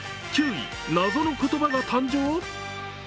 ９位、謎の言葉が誕生？